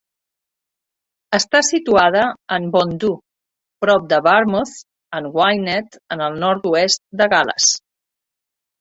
Està situada en Bontddu, prop de Barmouth en Gwynedd en el nord-oest de Gal·les.